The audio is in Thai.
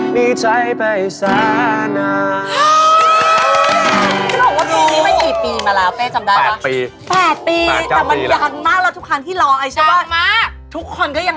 มีใจไปสานา